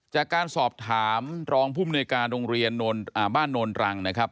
จากการสอบถามรองภูมิหน่วยการโรงเรียนบ้านโนนรังนะครับ